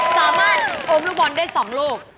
สามัญโอ้มลุกบอลได้ส่องลูก